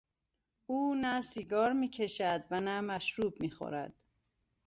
او نه سیگار میکشد و نه مشروب میخورد.